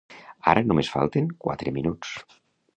Ara només falten quatre minuts.